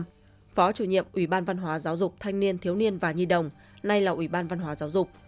phó chủ nhiệm ủy ban văn hóa giáo dục thanh niên thiếu niên và nhi đồng nay là ủy ban văn hóa giáo dục